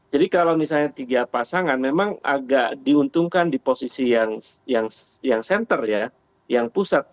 jadi kalau misalnya tiga pasangan memang agak diuntungkan di posisi yang center ya yang pusat